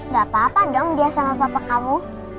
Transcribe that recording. gak apa apa dong dia sama bapak kamu